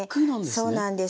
そうなんです